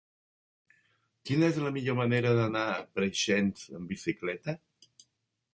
Quina és la millor manera d'anar a Preixens amb bicicleta?